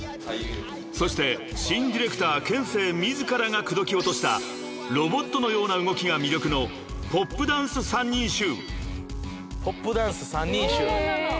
［そして新ディレクターＫＥＮＳＥＩ自らが口説き落としたロボットのような動きが魅力のポップダンス３人衆］